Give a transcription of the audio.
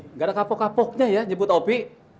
nggak ada kapok kapoknya ya nyebut opi